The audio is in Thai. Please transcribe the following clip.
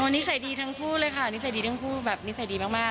นิสัยดีทั้งคู่เลยค่ะนิสัยดีทั้งคู่แบบนิสัยดีมาก